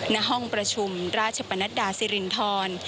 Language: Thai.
ณห้องประชุมราชปนัดดาสิรินทร